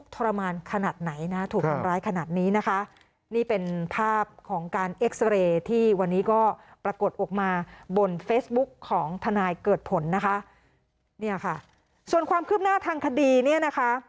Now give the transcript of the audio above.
ทนายเกิดผลนะคะเนี่ยค่ะส่วนความคืบหน้าทางคดีเนี่ยนะคะ